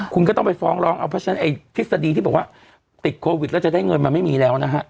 คุณก็ต้องไปฟ้องร้องเอาเพราะฉะนั้นไอ้ทฤษฎีที่บอกว่าติดโควิดแล้วจะได้เงินมันไม่มีแล้วนะฮะ